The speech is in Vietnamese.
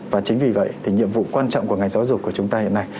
và chính vì vậy thì nhiệm vụ quan trọng của ngành giáo dục của chúng ta hiện nay